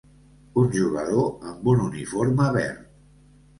Un jugador amb un uniforme verd.